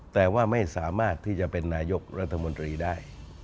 แต่ว่าไม่สามารถที่จะเป็นนายกรัฐมนตรีได้